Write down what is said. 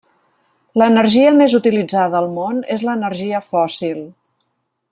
L'energia més utilitzada al món és l'energia fòssil.